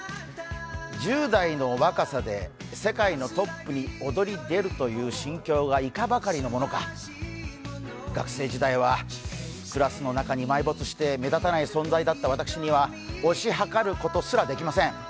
１０代の若さで、世界のトップに躍り出るという心境がいかばかりのものか、学生時代はクラスの中に埋没して目立たない存在だった私には推し量ることすらできません。